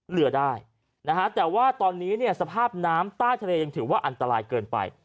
เหลือได้นะฮะแต่ว่าตอนนี้เนี่ยสภาพน้ำใต้ทะเลยังถือว่าอันตรายเกินไป